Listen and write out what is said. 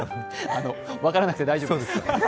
あの、分からなくて大丈夫です。